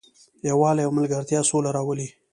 یووالی او ملګرتیا سوله راولي.